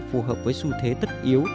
phù hợp với xu thế tất yếu